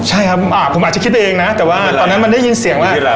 ใช่ครับผมอาจจะคิดเองนะแต่ว่าตอนนั้นมันได้ยินเสียงแล้ว